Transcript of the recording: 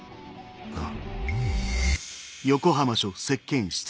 ああ。